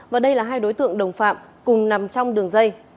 và đây là hai đối tượng đồng phạm cùng nằm trong đường dây